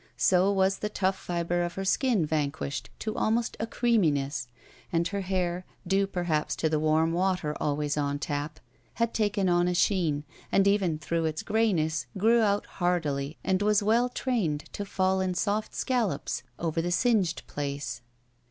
So was the tough fiber of her skin vanquished to ahnost a creaminess; and her hair, due perhaps to the warm water always on tap, had taken on a sheen, and even through its grayness grew out hardily and was well trained to fall in soft scallops over the singed place.